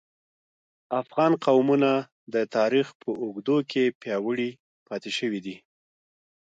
افغان قومونه د تاریخ په اوږدو کې پیاوړي پاتې شوي دي